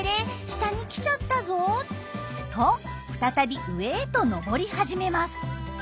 下に来ちゃったぞ」と再び上へとのぼり始めます。